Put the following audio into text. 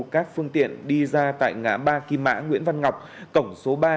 các phương tiện đi ra tại ngã ba kim mã nguyễn văn ngọc cổng số ba